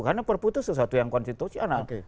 karena perpu itu sesuatu yang konstitusional